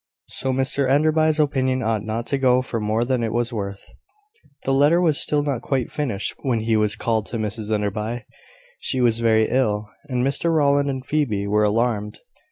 So Mr Enderby's opinion ought not to go for more than it was worth. The letter was still not quite finished when he was called to Mrs Enderby. She was very ill, and Mr Rowland and Phoebe were alarmed.